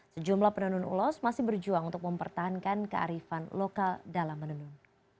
sejumlah penenun ulos masih berjuang untuk mempertahankan kearifan lokal dalam menenun